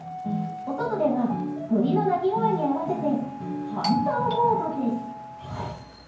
お外では、鳥の鳴き声に合わせてハンターモードです。